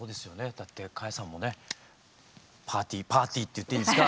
だって花耶さんもねパーティーパーティーって言っていいんですか？